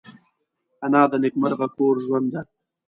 انا د نیکمرغه کور ژوند ده